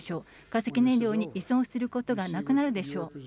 化石燃料に依存することがなくなるでしょう。